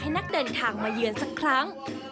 นักเดินทางมาเยือนสักครั้ง